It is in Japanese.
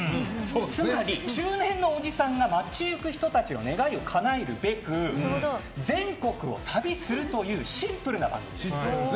つまり中年のおじさんが街行く人たちの願いをかなえるべく全国を旅するというシンプルな番組です。